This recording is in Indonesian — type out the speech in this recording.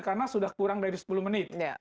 karena sudah kurang dari sepuluh menit